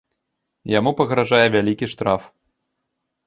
Яму пагражае вялікі штраф.